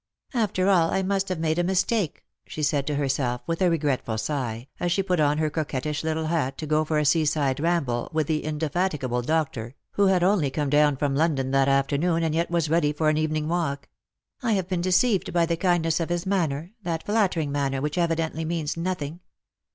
" After all, I must have made a mistake," she said to herself with a regretful sigh, as she put on her coquettish little hat to go for a seaside ramble with the indefatigable doctor, who had only come down from London that afternoon, and yet was ready for an evening walk ; "I have been deceived by the kindness of his manner, that flattering manner which evidently means nothing.